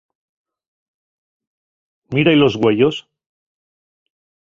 Míra-y los güeyos.